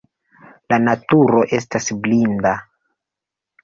La naturo estas blinda.